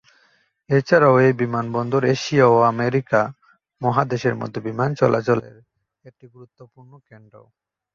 এছাড়া এই বিমানবন্দর এশিয়া এবং আমেরিকা মহাদেশের মধ্যে বিমান চলাচলের একটি গুরুত্বপূর্ণ কেন্দ্র।